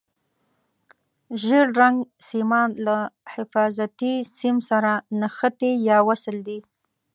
ژېړ رنګ سیمان له حفاظتي سیم سره نښتي یا وصل دي.